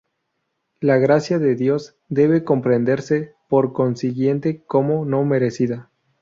La gracia de Dios debe comprenderse, por consiguiente, como no merecida.